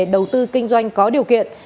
đầu tư kinh doanh có điều kiện